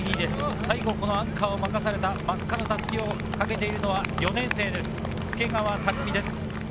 最後アンカーを任された真っ赤な襷をかけているのは４年生の助川拓海です。